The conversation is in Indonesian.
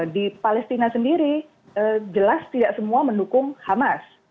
di palestina sendiri jelas tidak semua mendukung hamas